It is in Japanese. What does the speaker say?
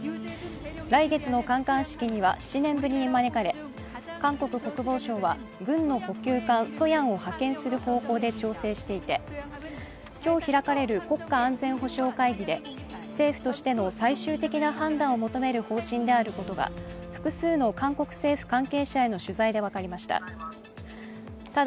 来月の観艦式には７年ぶりに招かれ韓国国防省は軍の補給艦「ソヤン」を派遣する方向で調整していて、今日、開かれる国家安全保障会議で政府としての最終的な判断を求める方針であることが、複数の韓国政府関係者への取材で分かりました。